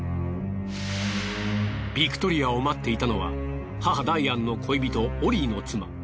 ビクトリアを待っていたのは母ダイアンの恋人オリーの妻